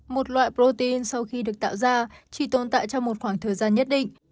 một loại protein sau khi được tạo ra chỉ tồn tại trong một khoảng thời gian nhất định